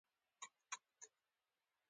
دوکاندار ماته ښه مشوره راکړه.